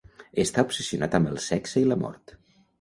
Està obsessionat amb el sexe i la mort.